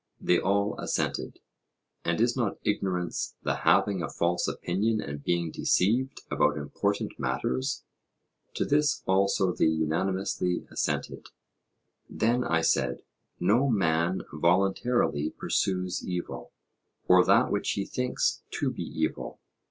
They all assented. And is not ignorance the having a false opinion and being deceived about important matters? To this also they unanimously assented. Then, I said, no man voluntarily pursues evil, or that which he thinks to be evil.